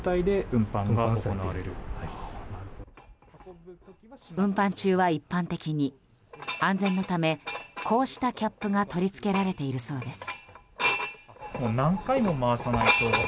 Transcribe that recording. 運搬中は、一般的に安全のためこうしたキャップが取り付けられているそうです。